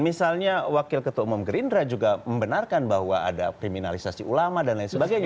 misalnya wakil ketua umum gerindra juga membenarkan bahwa ada kriminalisasi ulama dan lain sebagainya